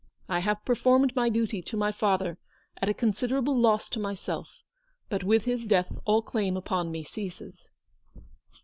I have performed my duty to my father at a considerable loss to myself, but with his death all claim upon me ceases."